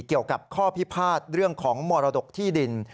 เกี่ยวกับข้อพิพาทเรื่องของมรดกที่ดิน